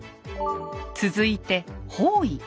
続いて方位。